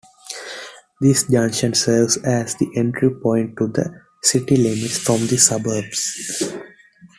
This junction serves as the entry point to the city limits from the suburbs.